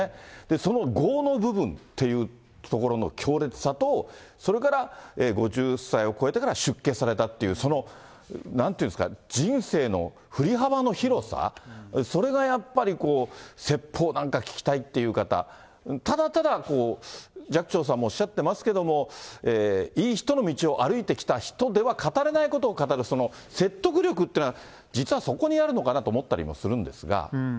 その業の部分っていうところの強烈さと、それから５０歳を超えてから出家されたっていう、そのなんていうんですか、人生のふり幅の広さ、それがやっぱりこう、説法なんか聞きたいっていう方、ただただ寂聴さんもおっしゃってますけども、いい人の道を歩いてきた人では語れないことを語る、その説得力っていうのは、実はそこにあるのかなと思ったりするんですが。